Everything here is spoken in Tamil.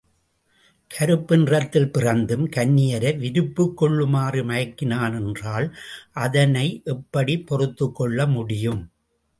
கருப்பு நிறத்தில் பிறந்தும் கன்னியரை விருப்புக்கொள்ளுமாறு மயக்கினான் என்றால் அதனை எப்படிப் பொறுத்துக் கொள்ள முடியும்?